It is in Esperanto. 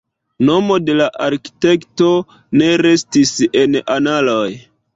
Nomo de arkitekto ne restis en analoj.